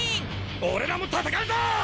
俺らも戦うぞ！